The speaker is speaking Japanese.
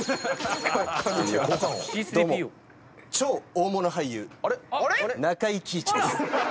超大物俳優中井貴一です。